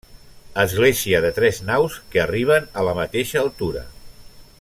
Església de tres naus que arriben a la mateixa altura.